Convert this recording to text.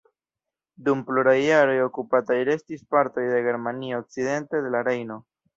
Dum pluraj jaroj okupataj restis partoj de Germanio okcidente de la Rejno.